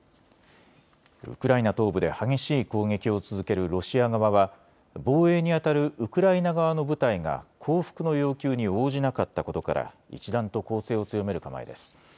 ウクライナ東部で激しい攻撃を続けるロシア側は防衛にあたるウクライナ側の部隊が降伏の要求に応じなかったことから一段と攻勢を強める構えです。